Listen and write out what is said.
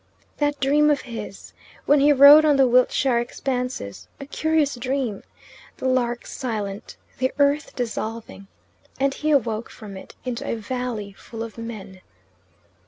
That dream of his when he rode on the Wiltshire expanses a curious dream: the lark silent, the earth dissolving. And he awoke from it into a valley full of men.